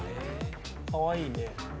かわいいね。